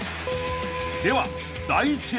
では］